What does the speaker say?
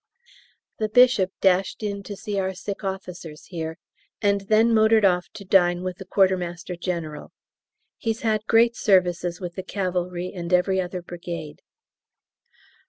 The Bishop dashed in to see our sick officers here, and then motored off to dine with the Quartermaster General. He's had great services with the cavalry and every other brigade.